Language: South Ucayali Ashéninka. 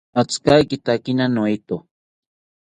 Atzikaitotakina noeto